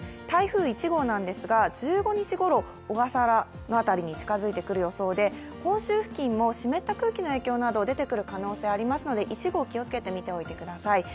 台風１号なんですが、１５日ごろ、小笠原の辺りに近づいてくる予想で本州付近も湿った空気の影響など出てくる可能性ありますので１号を気をつけて見ておいてください。